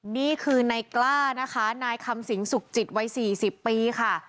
นี่คือนายกล้านะคะนายคำสิงสุขจิตวัย๔๐ปีค่ะ